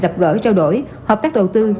gặp gỡ trao đổi hợp tác đầu tư